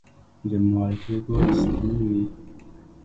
د مالټې ګل سپین وي؟